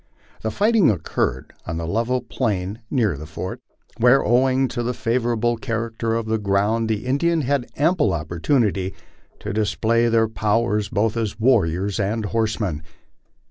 The fighting occurred on the level plain near the fort, where, owing to the favorable character of the ground, the Indians had ample opportunity to display their powers both as warriors and horsemen.